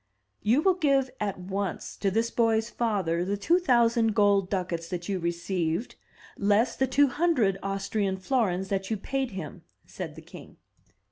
"You will give at once to this boy's father the two thousand gold ducats that you received, less the two hundred Austrian florins that you paid him," said the king.